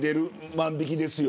万引ですよ。